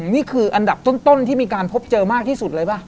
นี่คืออันดับต้นที่มีการพบเจอมากที่สุดเลยป่ะ